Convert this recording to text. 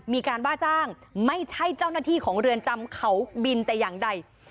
มีการว่าจ้างไม่ใช่เจ้าหน้าที่ของเรือนจำเขาบินแต่อย่างใด